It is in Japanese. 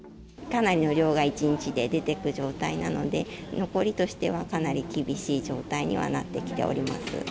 かなりの量が壱日で出ていく状態なので、残りとしてはかなり厳しい状態にはなってきております。